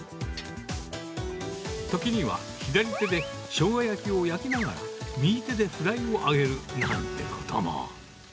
時には、左手でしょうが焼きを焼きながら、右手でフライを揚げるなんてことも。